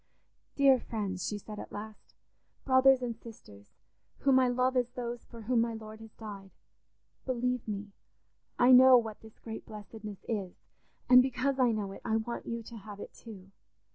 "Dear friends," she said at last, "brothers and sisters, whom I love as those for whom my Lord has died, believe me, I know what this great blessedness is; and because I know it, I want you to have it too.